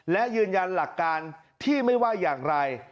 และยืนยันหลักการที่ไม่ว่าอย่างไร